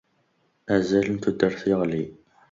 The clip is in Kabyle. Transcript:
Azal n tudert yeɣli.